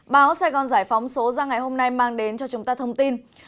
báo sài gòn giải phóng số ra ngày hôm nay mang đến cho chúng ta thông tin